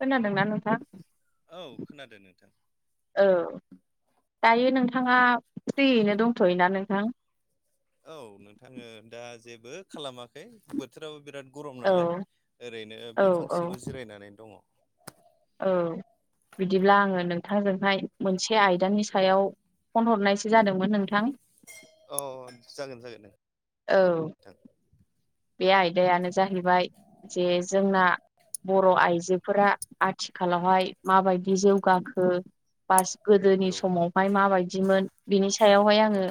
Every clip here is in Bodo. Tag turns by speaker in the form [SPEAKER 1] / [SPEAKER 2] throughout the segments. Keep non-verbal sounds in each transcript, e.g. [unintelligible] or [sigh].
[SPEAKER 1] खोनादोंना नोंथां?
[SPEAKER 2] औ खोनादों नोंथां
[SPEAKER 1] औ दायो नोंथाङा फ्रियैनो दंथ'योना नोंथां?
[SPEAKER 2] बो खालामाखै बोथोराबो बिराद गरम
[SPEAKER 1] औ
[SPEAKER 2] नालाय ओरैनो
[SPEAKER 1] औ
[SPEAKER 2] बिफां
[SPEAKER 1] औ
[SPEAKER 2] सिङाव जिरायनानै दङ।
[SPEAKER 1] औ बिदिब्ला आंङो नोंथांजोंहाय मोनसे आयदानि सायाव फन हरनायसो जादोंमोन नोंथां।
[SPEAKER 2] अ जागोन जागोन।
[SPEAKER 1] औ बे आयदायानो जाहैबाय जे जोंना बर' आइजोफोरा आथिखालावहाय माबायदि जौगाखो बा गोदोनि
[SPEAKER 2] नंगौ
[SPEAKER 1] समावहाय माबायदिमोन बिनि सायावहाय आंङो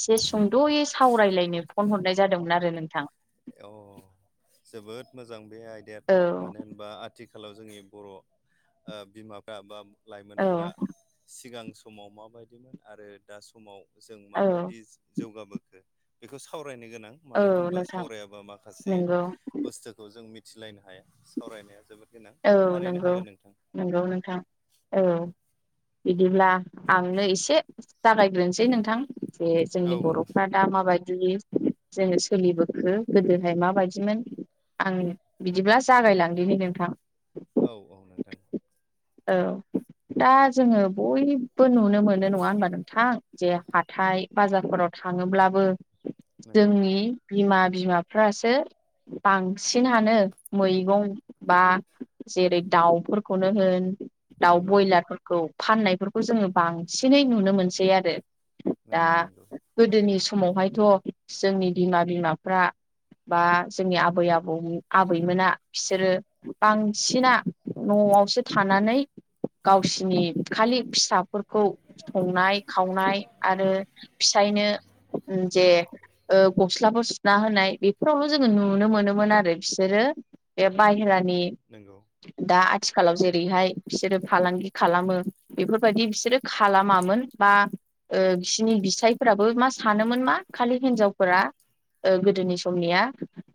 [SPEAKER 1] एसे सुंद'यै सावरायलायनो फन हरनाय जादोंमोन आरो नोंथां।
[SPEAKER 2] अ जोबोद मोजां बे आयदायाथ'
[SPEAKER 1] औ
[SPEAKER 2] मानो होनबा आथि खालाव जोंनि बर' ओ बिमाफ्रा बा
[SPEAKER 1] औ
[SPEAKER 2] लाइमोनफोरा सिगां समाव मा बायदिमोन आरो दा समाव जों
[SPEAKER 1] औ
[SPEAKER 2] माबायदि जौगाबोखो बेखौ सावराय सावरायनो गोनां
[SPEAKER 1] औ
[SPEAKER 2] मानो होनोबा
[SPEAKER 1] नोंथां
[SPEAKER 2] सावरायाबा माखासे
[SPEAKER 1] नंगौ
[SPEAKER 2] बुस्थुखौ जों मिथिलायनो हाया सावरायनाया जोबोद गोनां
[SPEAKER 1] औ
[SPEAKER 2] थारैनो
[SPEAKER 1] नंगौ
[SPEAKER 2] हागोन नोंथां।
[SPEAKER 1] नंगौ नोंथां औ। बिदिब्ला आंनो एसे जागायग्रोनोसै नोंथां। जे
[SPEAKER 2] औ
[SPEAKER 1] जोंनि बर'फ्रा दा माबायदि बि जोङो सोलिबोखो गोदोहाय माबायदिमोन। आं बिदिब्ला जागायलांदिनि नोंथां।
[SPEAKER 2] औ औ नोंथां।
[SPEAKER 1] औ। दा जोङो बयबो नुनो मोनो नङा होनबा नोंथां जे हाथाय बाजारफोराव थां थाङोब्लाबो
[SPEAKER 2] नंगौ
[SPEAKER 1] जोंनि बिमा बिमाफ्रासो बांसिनानो मैगं बा जेरै दाउफोरखौनो होन दाउ
[SPEAKER 2] नंगौ
[SPEAKER 1] ब्रयलारफोरखौ फाननायफोरखौ जोङो बांसिनै नुनो मोनसै आरो दा
[SPEAKER 2] नंगौ नंगौ
[SPEAKER 1] गोदोनि स समावहायथ' जोंनि बिमा बिमाफ्रा बा जोंनि आबै आबौ आबैमोना बिसोरो बांसिना न'आवसो थानानै गावसिनि खालि फिसा फोरखौ संनाय खावनाय आरो फिसायनो जे ओ गस्लाफोर सुना होनाय बेफोरावल' जोङो नुनो मोनोमोन आरो बिसोरो सोरो बे बाहेरानि
[SPEAKER 2] नंगौ
[SPEAKER 1] दा आथिखालाव जेरैहाय बिसोरो फालांगि खालामो बेफोरबायदि बिसोरो खालामामोन बा ओ बिसिनि बिसायफोराबो मा सानोमोन मा खालि हिनजावफोरा ओ गोदोनि समनिया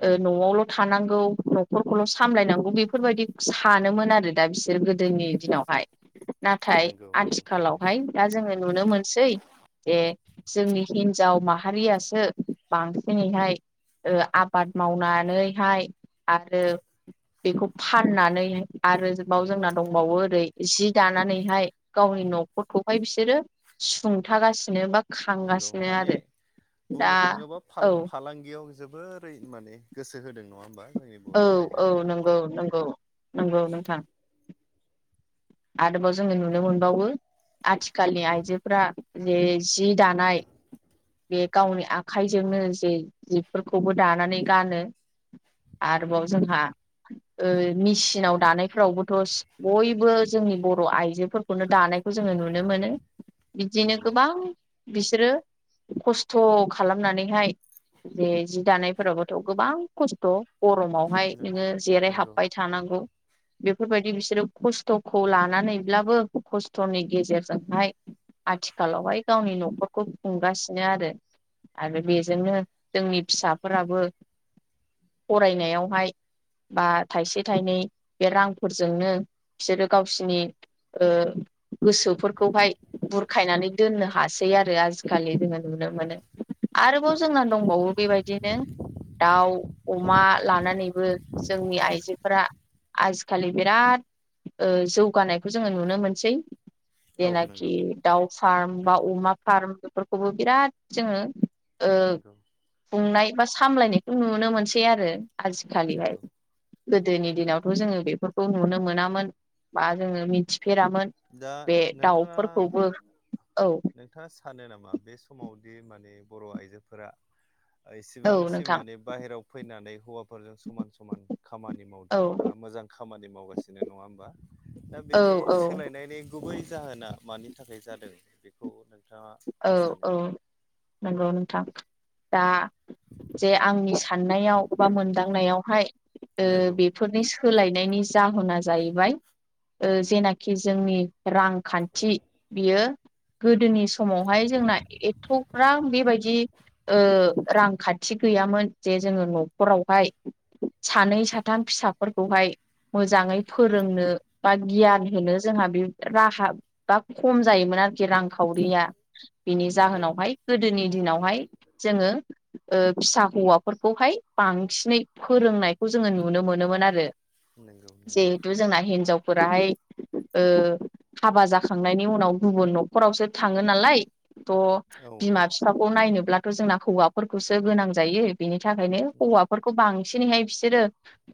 [SPEAKER 1] ओ न'आवल' थानांगौ न'खरखौल' सामलायनांगौ बेफोर बेफोरबायदि सानोमोन आरो दा बिसोर गोदोनि दिनावहाय। नाथाय
[SPEAKER 2] नंगौ नंगौ थारैनो
[SPEAKER 1] आथिखालावहाय दा जोङो नुनो मोनसै जे जोंनि हिनजाव माहारियासो बांसिनैहाय ओ आबाद मावनानैहाय आरो बेखौ फाननानै आरोबाव
[SPEAKER 2] नंगौ
[SPEAKER 1] जोंना दंबावो ओरै जि दानानैहाय गावनि न'खरखौहाय बिसोरो सुंथागासिनो बा
[SPEAKER 2] नंगौ
[SPEAKER 1] खांगासिनो
[SPEAKER 2] माने
[SPEAKER 1] आरो दा
[SPEAKER 2] बुंनो थाङोबा
[SPEAKER 1] औ
[SPEAKER 2] फाला फालांगियाव जोबोरै माने गोसो होदों नङा होमबा। जोंनि बर'
[SPEAKER 1] औ औ
[SPEAKER 2] आइजोफोरा
[SPEAKER 1] नंगौ नंगौ नंगौ नोंथां। आरोबाव जोङो नुनो मोनबावो आथिखालनि आइजोफोरा जे जि दानाय बे गावनि आखाइजोंनो जे जिफोरखौबो दानानै गानो आरोबाव जोंहा ओ मेसिनाव दानायफोरावबोथ' बयबो जोंनि बर' आइजोफोरखौनो दानायखौ जोङो नुनो मोनो। बिदिनो
[SPEAKER 2] नंगौ
[SPEAKER 1] गोबां बिसोरो खस्थ' खालामनानैहाय बेे जि दानायफोरावबोथ' गोबां खस्थ' गरमावहाय
[SPEAKER 2] नों
[SPEAKER 1] नोङो जेराय
[SPEAKER 2] नंगौ
[SPEAKER 1] हाबबाय थानांगौ बेफोरबायदि बिसोरो खस्थ' खौ लानानैब्लाबो खस्थ'नि गेजेरजोंहाय आथिखालावहाय गावनि न'खरखौ खुंगासिनो आरो आरो बेजोंनो जोंनि फिसाफोराबो फरायनायावहाय बा थाइसे थाइनै बे रांफोरजोंनो बिसोरो गावसिनि ओ गोसोफोरखौहाय बुरखायनानै दोननो हासै आरो आजिखालि जोङो नुनो मोनो। आरोबाव
[SPEAKER 2] नंगौ
[SPEAKER 1] जोंना
[SPEAKER 2] थारै
[SPEAKER 1] दंबावो बेबायदिनो दाउ अमा लानानैबो जोंनि आइजोफोरा आजिखालि बिराद ओ जौगानायखौ जोङो नुनो मोनसै
[SPEAKER 2] औ
[SPEAKER 1] जेनाखि
[SPEAKER 2] नंगौ
[SPEAKER 1] दाउ फार्म बा अमा फार्म बेफोरखौबो बिराद जोङो ओ
[SPEAKER 2] नंगौ
[SPEAKER 1] खनाय बा सामलायनायखौ नुनो मोनसै आरो आजिखालिहाय
[SPEAKER 2] नंगौ
[SPEAKER 1] गोदोनि दिनाव थ' जोङो बेफोरखौ नुनो मोनामोन बा जोङो मिथि
[SPEAKER 2] दा नोंथाङा
[SPEAKER 1] औ
[SPEAKER 2] नोंथाङा सानो नामा बे समाव बि माने बर' आइजोफोरा
[SPEAKER 1] औ
[SPEAKER 2] इसेबांसिम
[SPEAKER 1] नोंथां
[SPEAKER 2] माने बाहेराव फैनानै हौवा फोरजों समान-समान खामानि मावदों
[SPEAKER 1] औ
[SPEAKER 2] बा मोजां खामानि मावगासिनो नङा होमबा। दा
[SPEAKER 1] औ
[SPEAKER 2] बेनि
[SPEAKER 1] औ
[SPEAKER 2] सोलायनायनि गुबै जाहोना मानि थाखाय जादों बेखौ न
[SPEAKER 1] औ औ नंगौ नोंथां दा जे आंनि मोनाव बा मोनदांनायावहाय ओ
[SPEAKER 2] नंगौ
[SPEAKER 1] बेफोरनि सोलायनायनि जाहोन जाहैबाय ओ जेनाखि जोंनि रांखान्थि बियो गोदोनि म मावहाय जोंना एथ'ग्र्रा बेबायदि ओ रांखान्थि गैयामोन जे जोङो न'खरावहाय सानै साथाम फिसाफोरखौहाय मोजाङै फोरोंनो बा गियान होनो जोंहा बे राहा बा खम जायोमोन। आरोखि रांखावरिया बिनि
[SPEAKER 2] नंगौ
[SPEAKER 1] जाहोनावहाय गोदोनि दिनावहाय जोङो ओ फिसा हौवाफोरखौहाय बांसिनै फोरोंनायखौ जोङो नुनो मोनोमोन आरो।
[SPEAKER 2] नंगौ नंगौ
[SPEAKER 1] जिहेथु जोंना हिनजाव फोराहाय ओ हाबा जाखांनायनि उनाव गुबुन न'खरावसो था ङो नालाय थ'
[SPEAKER 2] औ
[SPEAKER 1] बिमा बिफाखौ नायनोब्ला जोंना हौवाफोरखौसो गोनां जायो बिनि थाखायनो हौवाफोरखौ बांसिनैहाय बिसोरो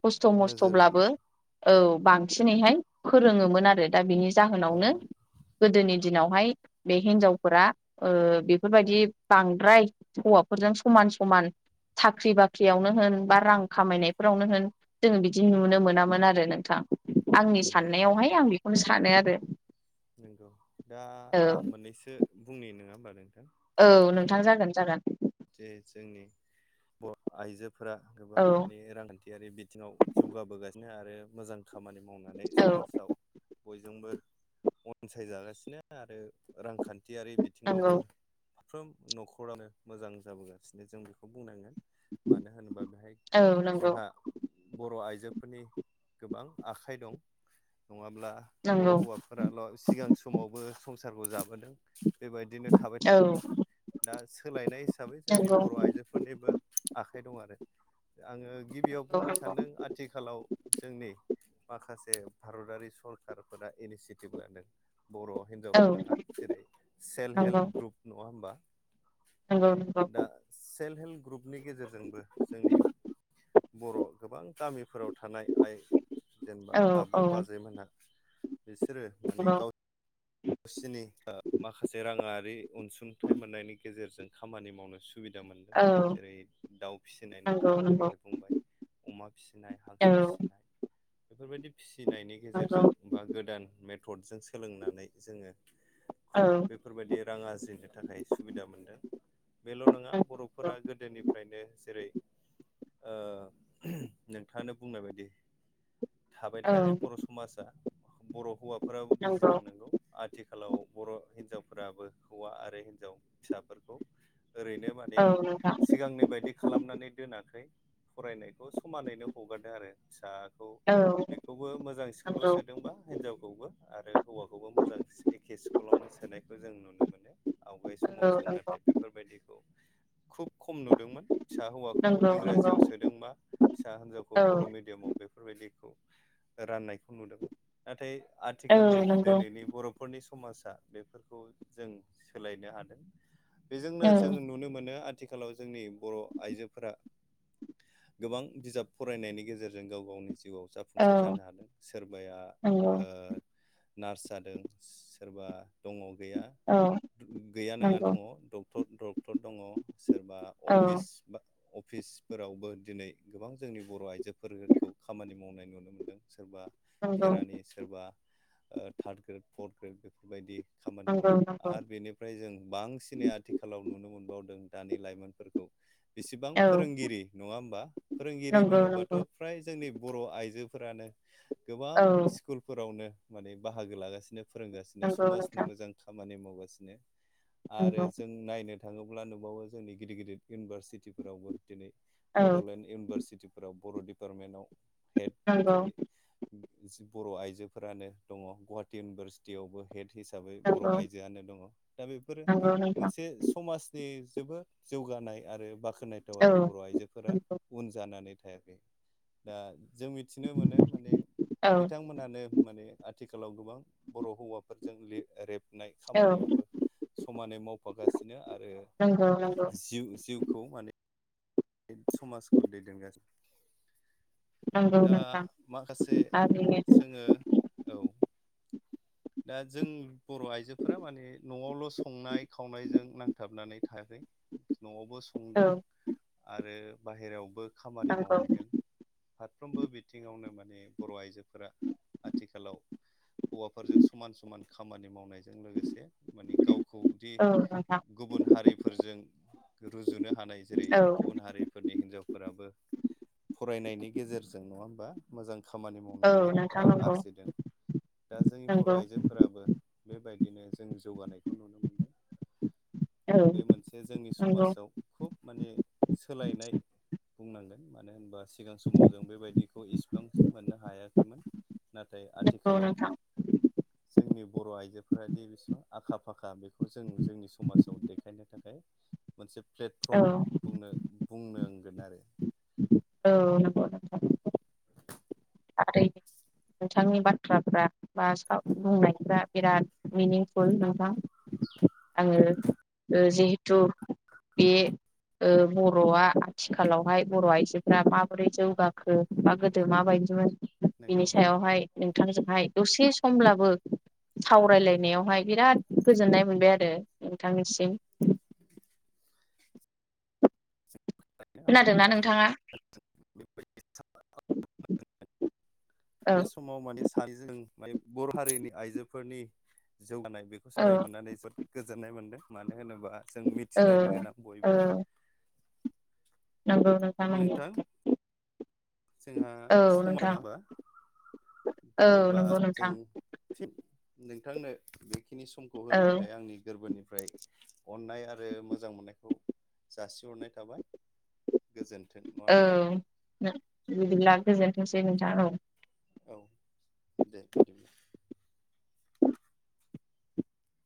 [SPEAKER 1] खस्थ'
[SPEAKER 2] नोजोर
[SPEAKER 1] मस्थ'ब्लाबो औ बांसिनैहाय फोरोङोमोन आरो। दा बिनि
[SPEAKER 2] औ
[SPEAKER 1] जाहोनावनो गोदोनि दिनावहाय बे हिनजावफोरा बेफोरबायदि बांद्राय हौवाफोरजों समान-समान साख्रि बाख्रियावनो होन बा रां खामायनायफोरावनो होन जोङो बिदि नुनो मोनामोन आरो नोंथां। आंनि
[SPEAKER 2] नंगौ
[SPEAKER 1] साननायावहाय
[SPEAKER 2] थारैनो
[SPEAKER 1] आं बेखौनो सानो आरो।
[SPEAKER 2] नंगौ दा आं मोननैसो बुंनाय नङा होमबा नों।
[SPEAKER 1] औ नोंथां जागोन-जागोन।
[SPEAKER 2] जे जोंनि बर आइजो फोरा गोबां
[SPEAKER 1] औ
[SPEAKER 2] माने रांखान्थियारि बिथिङाव जौगाबोगासिनो आरो मोजां खामानि मावनानै समाजाव बयजोंबो अनसायजागासिनो आरो रांखान्थियारि
[SPEAKER 1] नंगौ
[SPEAKER 2] बिथिङावबो साफ्रोम न'खरानो मोजां जाबोगासिनो जों बेखौ बुंनांगोन। मानो होनोबा बेहाय
[SPEAKER 1] औ नंगौ
[SPEAKER 2] जोंहा बर' आइजो फोरनि गोबां आखाइ दं। नङाब्ला बर'
[SPEAKER 1] नंगौ
[SPEAKER 2] हौवाफोराल' सिगां समावबो संसारखौ जाबोदों। बेबायदिनो थाबाय थागौमोन। दा सोलायनाय हिसाबै जोंनि बर' आइजोफोरनिबो आख खाइ दं आरो। आङो गिबियाव बुंनो
[SPEAKER 1] औ
[SPEAKER 2] सानदों आथिखालाव जोंनि माखासे भारतारि सरकारफोरा इनिसियेटिभ लादों। बर' हिनजावल' नङा जेरै सेल्फ हेल्प ग्रुप नङा होमबा।
[SPEAKER 1] नगौ नंगौ।
[SPEAKER 2] दा सेल्फ हेल्प ग्रुपनि गेजेरजोंबो जोंनि बर' गोबां गामिफोराव थानाय आइ जेनेबा आब'
[SPEAKER 1] औ
[SPEAKER 2] बाजै मोनहा बिसोरो
[SPEAKER 1] नंगौ नंगौ औ
[SPEAKER 2] माने
[SPEAKER 1] नंगौ
[SPEAKER 2] गाव सिनि ओ माखासे राङारि अनसुंथाइ मोननायनि गेजेरजों खामानि मावनो सु बिदा मोनदों
[SPEAKER 1] औ
[SPEAKER 2] जेरै दाउ फिसिनाय
[SPEAKER 1] नंगौ
[SPEAKER 2] नोंथाङानो
[SPEAKER 1] नंगौ
[SPEAKER 2] दहय बुंबाय। अमा फिसिनाय,
[SPEAKER 1] औ
[SPEAKER 2] हांसो फिसिनाय, बेफोरबायदि फिसिनायनि
[SPEAKER 1] नंगौ
[SPEAKER 2] गेजेरजों बा गोदान मेथडजों सोलोंनानै जोङो खुद
[SPEAKER 1] औ
[SPEAKER 2] बेफोरबायदि रां आरजिनो थाखाय सुबिदा मोनदों। बेल' नङा
[SPEAKER 1] नंगौ
[SPEAKER 2] बर'फोरा गोदोनिफ्रायनो जेरै ओ नोंथाङानो बुंनाय बायदि थाबाय
[SPEAKER 1] औ
[SPEAKER 2] थायाखै बर' समाजा बर' हौवाफोराबो
[SPEAKER 1] नंगौ
[SPEAKER 2] बुजिदों नोंगौ। आथिखालाव बर' हिनजावफोराबो हौवा आरो हिनजाव फिसाफोरखौ ओरैनो माने
[SPEAKER 1] औ नोंथां
[SPEAKER 2] सिगांनि बायदि खालामनानै दोनाखै। फरायनायखौ समानैनो हगारदों आरो फिसा खौ
[SPEAKER 1] औ
[SPEAKER 2] बेखौबो मोजां स्कुलाव
[SPEAKER 1] नंगौ
[SPEAKER 2] सोदोंबा हिनजावखौबो आरो हौवा मोजां एखे स्कुलावनो सोनायखो जों नुनो मोनो। आवगाय समाव
[SPEAKER 1] औ
[SPEAKER 2] जों
[SPEAKER 1] नंगौ
[SPEAKER 2] नाथाय बेफोरबायदिखौ खुब खम नुदोंमोन फिसा हौवाखौ
[SPEAKER 1] नंगौ नंगौ
[SPEAKER 2] इंराजियाव सोदोंबा फिसा होनजावखौ
[SPEAKER 1] औ
[SPEAKER 2] बर' मिडियामाव बे फोरबायदिखौ राननायखौ नुदोंमोन नाथाय
[SPEAKER 1] औ
[SPEAKER 2] आथिखालनि
[SPEAKER 1] नंगौ
[SPEAKER 2] दोनैनि बर'फोरनि समाजा बेफोरखौ जों सोलायनो हादों। बेजोंनो
[SPEAKER 1] औ
[SPEAKER 2] जों नुनो मोनो आथिखालाव जोंनि बर' आइजोफोरा गोबां बिजाब फरायनायनि गेजेरजों गाव गावनि जिउआव
[SPEAKER 1] औ
[SPEAKER 2] जाफुंसार जानो हादों। सोरबाया
[SPEAKER 1] नंगौ
[SPEAKER 2] ओ नार्स जादों। सोरबा दङ गैया
[SPEAKER 1] औ
[SPEAKER 2] गैया नङा
[SPEAKER 1] नंगौ
[SPEAKER 2] दङ डक्टर डक टर दङ सोरबा
[SPEAKER 1] औ
[SPEAKER 2] अफिस बा अ फिसफोरावबो दिनै गोबां जोंनि बर' आइजोफोरखौ खामानि मावनाय नुनो मोन्दों। सोरबा
[SPEAKER 1] नंगौ
[SPEAKER 2] खेरानि, सोरबा ओ थार्द ग्रेड, फर्थ ग्रेड बेफोरबायदि। खामानि
[SPEAKER 1] नंगौ
[SPEAKER 2] मावदों
[SPEAKER 1] नंगौ
[SPEAKER 2] आरो बेनिफ्राय जों बांसिनै आथिखालाव नुनो मोनबावदों दानि लाइमोनफोरखौ बिसिबां
[SPEAKER 1] औ
[SPEAKER 2] फोरोंगिरि नङा होमबा फोरोंगिरि
[SPEAKER 1] नंगौ
[SPEAKER 2] बुङोबाथ'
[SPEAKER 1] नंगौ
[SPEAKER 2] फ्राय जोंनि बर' आइजोफोरानो गोबां
[SPEAKER 1] औ
[SPEAKER 2] स्कुलफोरावनो माने बाहागो लागासिनो। फोरोंगासिनो
[SPEAKER 1] नंगौ
[SPEAKER 2] समाजनि
[SPEAKER 1] नोंथां
[SPEAKER 2] मोजां खामानि मावगासिनो आरो
[SPEAKER 1] नंगौ
[SPEAKER 2] जों नायनो थाङोब्ला नुबावो जोंनि गिदिर गिदिर इउनिभारसिटिफोरावबो दिनै
[SPEAKER 1] औ
[SPEAKER 2] बड'लेण्ड इउनिभारसिटिफोराव बर' डिपार्टमेन्टाव हेड
[SPEAKER 1] नंगौ
[SPEAKER 2] जेरै जि बर' आइजोफोरानो दङ। गुवाहाटि इउनिभारसिटियावबो हेड हिसाबै बर'
[SPEAKER 1] नंगौ
[SPEAKER 2] आइजोआनो दङ। दा बेफोरो
[SPEAKER 1] नंगौ नोंथां
[SPEAKER 2] मोनसे समाजनि बेबो जौगानाय आरो बाख्नायथाव
[SPEAKER 1] औ
[SPEAKER 2] आरो बर' आइजोफोरा
[SPEAKER 1] नंगौ
[SPEAKER 2] उन जानानै थायाखै दा जों मिथिनो मोनो माने
[SPEAKER 1] औ
[SPEAKER 2] बिथांमोनानो माने आ थिखालाव गोबां बर' हौवाफोरजों लि रेब नाय
[SPEAKER 1] औ
[SPEAKER 2] खामानियावबो समानै मावफागासिनो आरो
[SPEAKER 1] नंगौ नंगौ
[SPEAKER 2] जिउ जिउखौ माने समाजखौ
[SPEAKER 1] नंगौ
[SPEAKER 2] दैदेनगासिनो दा
[SPEAKER 1] नोंथां
[SPEAKER 2] माखासे
[SPEAKER 1] थारैनो
[SPEAKER 2] जोङो औ दा जों बर' आइजोफोरा माने न'आवल' संनाय खावनायजों नांथाबनानै थायाखै न'आव बो
[SPEAKER 1] औ
[SPEAKER 2] संदों आरो बाहेरावबो खामानि
[SPEAKER 1] नंगौ
[SPEAKER 2] मावहैदों फारफ्रोमबो बिथिावनो मा माने बर' आइजोफोरा आथिखालाव हौवाफोरजों समान समान खामानि मावनाय जों लोगोसे माने गावखौ दि
[SPEAKER 1] औ नोंथां
[SPEAKER 2] गुबुन हारिफोरजों रुजुनो हानाय जेरै
[SPEAKER 1] औ
[SPEAKER 2] गुबुन हारिफोरनि हिनजावफोराबो फरायनायनि गेजेरजों नङा होमबा मोजां खामानि
[SPEAKER 1] औ
[SPEAKER 2] मावनानै
[SPEAKER 1] नोंथां
[SPEAKER 2] रां आरजिदों दा जोंनि बर'
[SPEAKER 1] नंगौ नंगौ
[SPEAKER 2] आइजोफोराबो बेबायदिनो जों जौगानायखौ नुनो मोनदों।
[SPEAKER 1] औ
[SPEAKER 2] बे मोनसे जोंनि
[SPEAKER 1] नंगौ
[SPEAKER 2] समाजाव खुब माने सोलायनाय बुंनांगोन। मानो होनबा सिगां समाव जों बेबायदिखौ इसिबांसिम मोननो हायाखैमोन नाथाय
[SPEAKER 1] नंगौ
[SPEAKER 2] आथिखालाव
[SPEAKER 1] नोंथां
[SPEAKER 2] जोंनि बर' आइजोफोरादि बेसेबां आखा फाखा बेखौ जों जोंनि समाजाव देखायनो थाखाय मोनसे प्लेटफर्म
[SPEAKER 1] औ
[SPEAKER 2] बुंनो बुंनांगोन आरो
[SPEAKER 1] औ नंगौ नोंथां। आरोारै [unintelligible] नोंथांनि बाथ्राफ्रा बा साब बुंनायफ्रा बिराद मिनिंफुल नोंथां। आङो ओ जिहेथु बे औ बर'आ आथिखालावहाय बर' आइजोफ्रा माबोरै जौगाखो बा गोदो माबायदि
[SPEAKER 2] नंगौ
[SPEAKER 1] बिनि सायावहाय नोंथांजोंहाय दसे समब्लाबो सावरायलायनायावहाय बिराद गोजोननाय मोनबाय आरो नोंथांनिसिम
[SPEAKER 2] आंबो बे
[SPEAKER 1] खोनादोंना
[SPEAKER 2] समाव
[SPEAKER 1] नोंथाङा? औ
[SPEAKER 2] बे समाव माने सानै जों म बर' हारिनि आइजोफोरनि जौगानाय बेखौ
[SPEAKER 1] औ
[SPEAKER 2] सावराय मोननानै जोबोद गोजोननाय मोनदों मानो होनो बा जों
[SPEAKER 1] औ
[SPEAKER 2] मिथिलायनो गोनां
[SPEAKER 1] औ
[SPEAKER 2] बयबो
[SPEAKER 1] नंगौ नोंथां नंगौ।
[SPEAKER 2] जोंहा
[SPEAKER 1] औ
[SPEAKER 2] समाव
[SPEAKER 1] नोंथां
[SPEAKER 2] नङा ह
[SPEAKER 1] औ
[SPEAKER 2] [unintelligible] अब्ला
[SPEAKER 1] नंगौ
[SPEAKER 2] जों
[SPEAKER 1] नोंथां
[SPEAKER 2] फिन [unintelligible] नोंथांनो बेखिनि समखौ होनो
[SPEAKER 1] औ
[SPEAKER 2] थाखाय आंनि गोरबोनि फ्राय अन्नाय आरो मोजां मोननायखौ जासिहरनाय थाबाय। गोजोन्थों नङा होमबा
[SPEAKER 1] औ बिदिब्ला गोजोनथोंसै नोंथां औ।
[SPEAKER 2] औ दे बिदिब्ला।